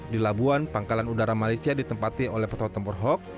di labuan pangkalan udara malaysia ditempati oleh pesawat tempur hawk